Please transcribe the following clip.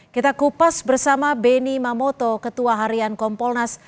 kita kupas bersama beni mamoto ketua harian kompolnas